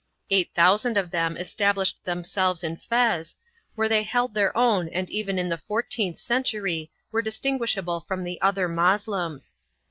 Eight thousand of them established themselves in Fez, where they held their own and even in the fourteenth century were distinguish able from the other Moslems.